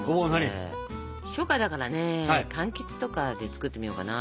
初夏だからねかんきつとかで作ってみようかな。